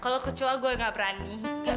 kalau kecoa gue nggak berani